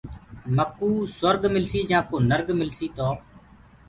مڪوٚ سُرگ ملسيٚ جآنٚ ڪو نرگ ملسيٚ۔ تو